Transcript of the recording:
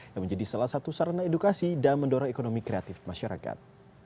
yang menjadi salah satu sarana edukasi dan mendorong ekonomi kreatif masyarakat